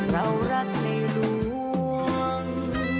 เรารักในหลวง